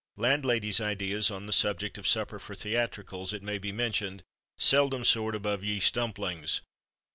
Landladies' ideas on the subject of supper for "theatricals," it may be mentioned, seldom soared above yeast dumplings.